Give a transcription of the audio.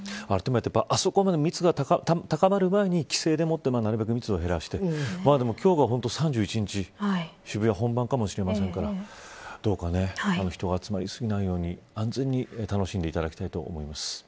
あそこまで密度が高まる前に規制でもってなるべく密を減らして今日は３１日で渋谷、本番かもしれませんからどうか、なるべく人が集まり過ぎないように安全に楽しんでほしいと思います。